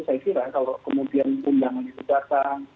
saya kira kalau kemudian undangan itu datang